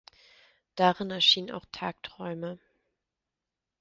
Darin erschien auch "Tagträume.